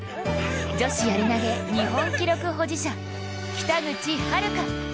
女子やり投日本記録保持者北口榛花。